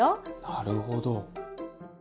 なるほど。